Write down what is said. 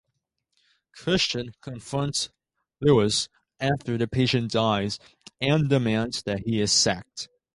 Christian confronts Lewis after the patient dies and demands that he is sacked.